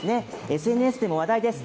ＳＮＳでも話題です。